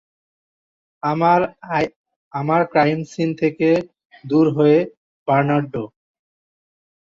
আমার crime scene থেকে দূর হও, বার্নার্ডো।